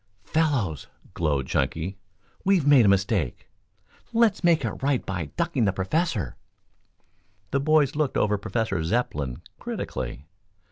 "Fellows," glowed Chunky, "we've made a mistake. Let's make it right by ducking the Professor." The boys looked over Professor Zepplin critically.